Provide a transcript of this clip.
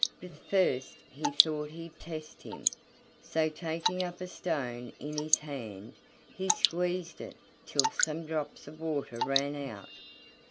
But first he thought he'd test him, so taking up a stone in his hand, he squeezed it till some drops of water ran out.